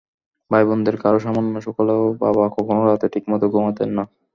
ভাইবোনদের কারও সামান্য অসুখ হলেও বাবা কখনো রাতে ঠিকমতো ঘুমাতেন না।